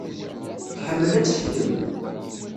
Tḥemmel ad teḥkem.